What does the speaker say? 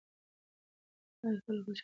ایا خلک خوشاله ول؟